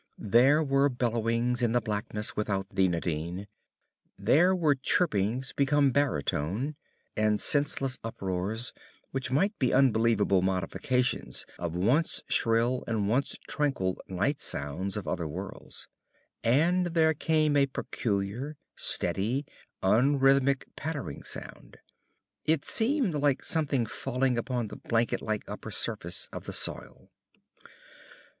There were bellowings in the blackness without the Nadine. There were chirpings become baritone, and senseless uproars which might be unbelievable modifications of once shrill and once tranquil night sounds of other worlds. And there came a peculiar, steady, unrhythmic pattering sound. It seemed like something falling upon the blanket like upper surface of the soil.